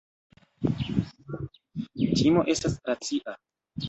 Timo estas racia.